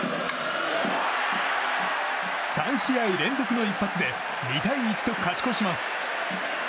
３試合連続の一発で２対１と勝ち越します。